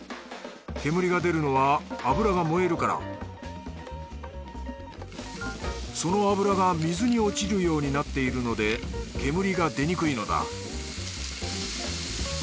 煙が出るのは脂が燃えるからその脂が水に落ちるようになっているので煙が出にくいのだ